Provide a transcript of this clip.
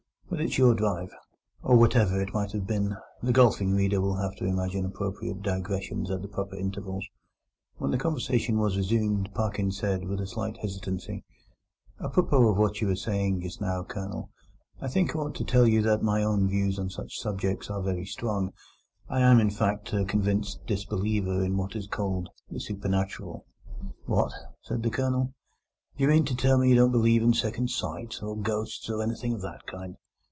But it's your drive" (or whatever it might have been: the golfing reader will have to imagine appropriate digressions at the proper intervals). When conversation was resumed, Parkins said, with a slight hesitancy: "A propos of what you were saying just now, Colonel, I think I ought to tell you that my own views on such subjects are very strong. I am, in fact, a convinced disbeliever in what is called the 'supernatural'." "What!" said the Colonel, "do you mean to tell me you don't believe in second sight, or ghosts, or anything of that kind?"